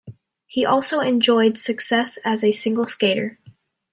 He also enjoyed success as a single skater.